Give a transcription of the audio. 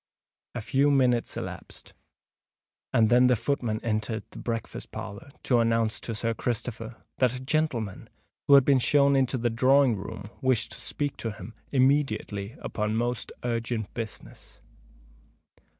A few minutes elapsed, and then the footman entered the breakfast parlour to announce to Sir Christopher that a gentleman, who had been shown into the drawing room, wished to speak to him immediately upon most urgent business.